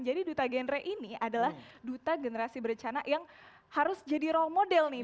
jadi duta genre ini adalah duta generasi berencana yang harus jadi role model nih